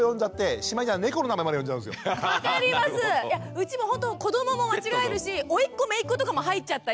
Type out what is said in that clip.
うちもほんと子どもも間違えるしおいっ子めいっ子とかも入っちゃったり。